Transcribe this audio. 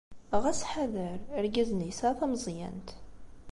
Ɣas ḥader, argaz-nni yesɛa tameẓyant.